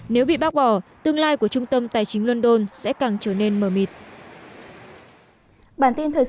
nếu bị bác bỏ tương lai của trung tâm tài chính london sẽ càng trở nên mờ mịt